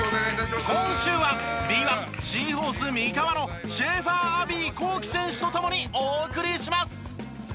今週はＢ１シーホース三河のシェーファーアヴィ幸樹選手と共にお送りします！